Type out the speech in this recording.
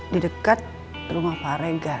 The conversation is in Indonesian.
didekat rumah paregar